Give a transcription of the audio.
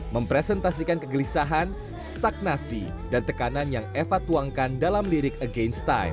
mempresentasikan kegelisahan stagnasi dan tekanan yang eva tuangkan dalam lirik against time